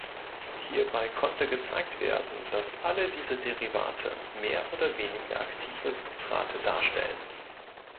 Hierbei konnte gezeigt werden, dass alle diese Derivate mehr oder weniger aktive Substrate darstellen.